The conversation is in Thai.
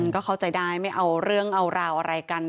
ก็เข้าใจได้ไม่เอาเรื่องเอาราวอะไรกัน